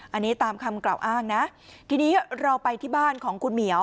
อันนี้ตามคำกล่าวอ้างนะทีนี้เราไปที่บ้านของคุณเหมียว